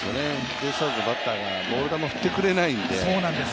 ベイスターズのバッターがボール球振ってくれないので。